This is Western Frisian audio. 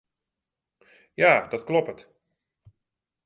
Ja, dat kloppet.